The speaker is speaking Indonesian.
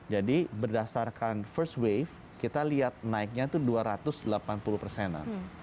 jadi berdasarkan first wave kita lihat naiknya itu dua ratus delapan puluh persenan